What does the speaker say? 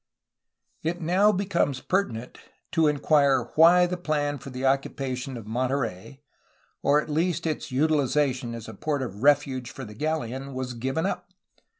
It now becomes pertinent to enquire why the plan for the occupa tion of Monterey, or at least for its utilization as a port of refuge for the galleon, was given up.